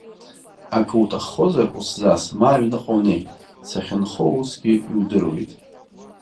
Акы уҭаххозар, усзас, ма аҩныҟа унеи, сахьынхоусгьы иудыруеит.